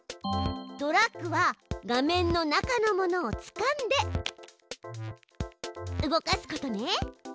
ドラッグは画面の中のものをつかんで動かすことね。